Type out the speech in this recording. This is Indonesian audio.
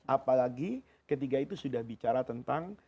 apalagi ketiga itu sudah bicara tentang